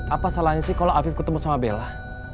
apa salahnya sih kalau afif ketemu sama bella